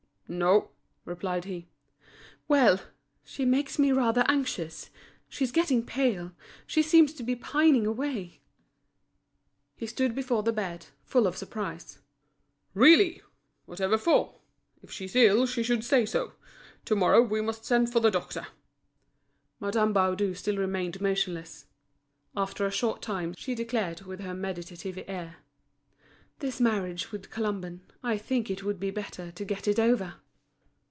"No," replied he. "Well! she makes me rather anxious. She's getting pale, she seems to be pining away." He stood before the bed, full of surprise. "Really! whatever for? If she's ill she should say so. To morrow we must send for the doctor." Madame Baudu still remained motionless. After a short time, she declared with her meditative air: "This marriage with Colomban, I think it would be better to get it over."